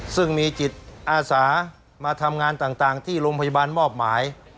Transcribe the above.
ซึ่งมีจิตอาสามาทำงานต่างที่โรงพยาบาลมอบหมาย